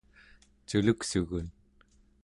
culuksugun